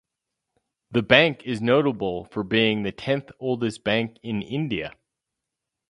The bank is notable for being the tenth oldest bank in India.